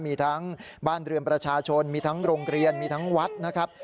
มีทั้งบ้านเรือนประชาชนมีทั้งโรงเรียนมีทั้งวัดนะครับ